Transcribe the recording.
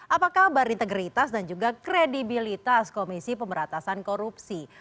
apa kabar integritas dan juga kredibilitas komisi pemberantasan korupsi